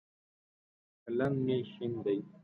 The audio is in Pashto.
قلم مې شین دی.